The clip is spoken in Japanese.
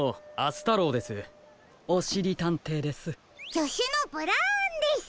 じょしゅのブラウンです。